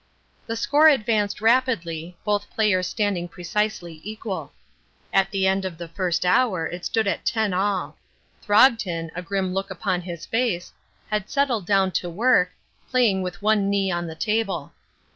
The score advanced rapidly, both players standing precisely equal. At the end of the first half hour it stood at ten all. Throgton, a grim look upon his face, had settled down to work, playing with one knee on the table.